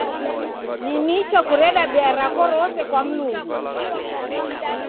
Ni nicha kureda bea rako rose kwa Mlungu.